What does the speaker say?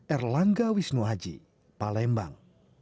erlangga wisnu haji palembang